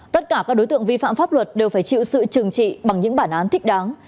tất cả các đối tượng vi phạm pháp luật đều phải chịu sự trừng trị bằng những bản án thích đáng